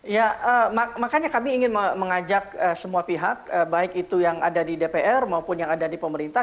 ya makanya kami ingin mengajak semua pihak baik itu yang ada di dpr maupun yang ada di pemerintah